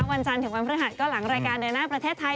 วันจันทร์ถึงวันพฤหัสก็หลังรายการเดินหน้าประเทศไทย